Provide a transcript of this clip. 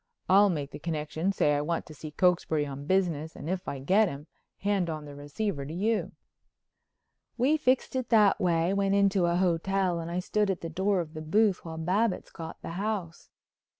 I'll make the connection, say I want to see Cokesbury on business, and if I get him, hand on the receiver to you." We fixed it that way, went into a hotel, and I stood at the door of the booth while Babbitts got the house.